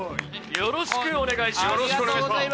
よろしくお願いします。